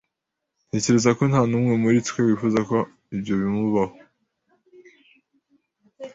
Ntekereza ko nta n'umwe muri twe wifuza ko ibyo bibaho.